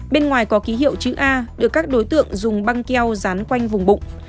bên ngoài có ký hiệu chữ a được các đối tượng dùng băng keo dán quanh vùng bụng